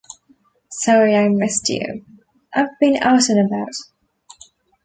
Sorry I missed you – I've been out and about.